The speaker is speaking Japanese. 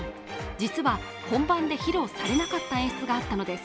実は本番で披露されなかった演出があったのです。